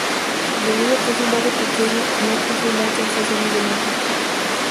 Debido a que es un barrio pequeño, no posee muchas estaciones de metro.